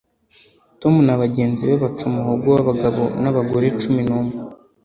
Tom na bagenzi be baca umuhogo wabagabo nabagore cumi numwe